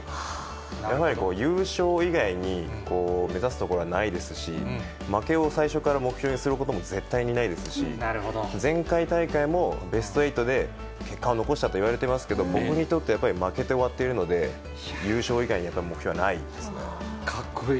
やっぱり優勝以外に、目指すところはないですし、負けを最初から目標にすることも絶対にないですし、前回大会もベスト８で結果を残したといわれてますけど、僕にとってやっぱり負けて終わってるので、優勝以外にやっぱり目標はないでかっこいい。